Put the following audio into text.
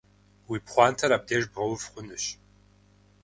Уи пхъуантэр абдеж бгъэув хъунущ.